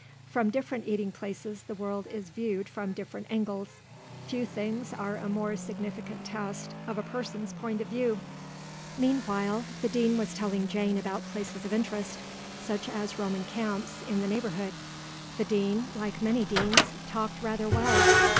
From different eating places the world is viewed from different angles; few things are a more significant test of a person's point of view. Meanwhile the Dean was telling Jane about places of interest, such as Roman camps, in the neighbourhood. The Dean, like many deans, talked rather well.